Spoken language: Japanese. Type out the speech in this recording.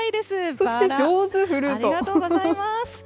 そして、上手、ありがとうございます。